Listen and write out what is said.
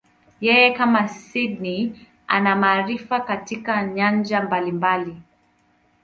Yeye, kama Sydney, ana maarifa katika nyanja mbalimbali.